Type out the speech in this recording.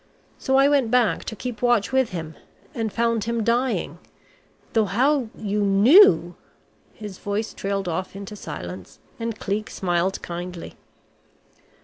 So I went back to keep watch with him and found him dying though how you knew " His voice trailed off into silence, and Cleek smiled kindly.